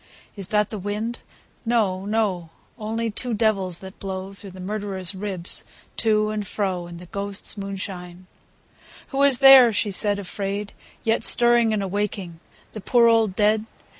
Is that the wind ? No, no ; Only two devils, that blow Through the murderer's ribs to and fro. In the ghosts' moonshine. II. Who is there, she said afraid, yet Stirring and awaking The poor old dead?